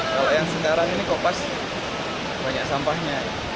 kalau yang sekarang ini kok pas banyak sampahnya